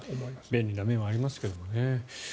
便利な面もありますけどね。